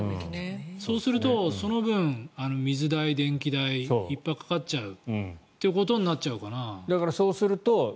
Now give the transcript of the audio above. そうすると、その分水代、電気代いっぱいかかっちゃうということになっちゃうかな。